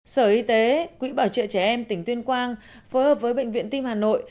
sở y tế quỹ bảo trợ trẻ em tỉnh tuyên quang phối hợp với bệnh viện tim hà nội